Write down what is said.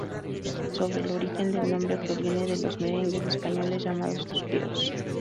Sobre el origen del nombre, proviene de los merengues españoles, llamados "suspiros".